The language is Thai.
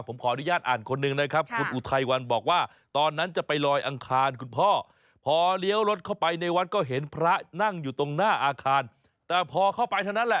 ผมขออนุญาตอ่านคนหนึ่งนะครับ